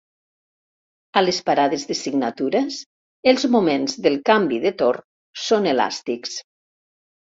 A les parades de signatures els moments del canvi de torn són elàstics.